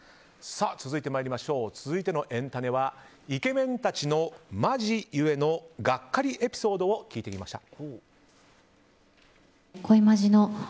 続いてのエンたねはイケメンたちの、マジゆえのがっかりエピソードを聞いてきました。